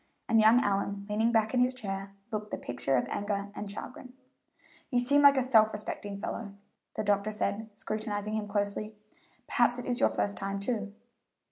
and young Allyn, leaning back in his chair, looked the picture of anger and chagrin. "You seem like a self respecting fellow," said the doctor, scrutinizing him closely; "perhaps it is your first time, too."